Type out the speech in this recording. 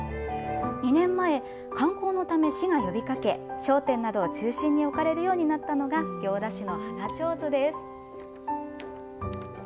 ２年前、観光のため市が呼びかけ、商店などを中心に置かれるようになったのが、行田市の花ちょうずです。